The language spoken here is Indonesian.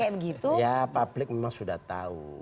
kayak begitu ya publik memang sudah tahu